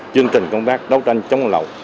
chương trình công tác đấu tranh chống lậu